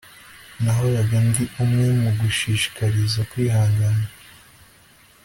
nahoraga ndi umwe mu gushishikariza kwihangana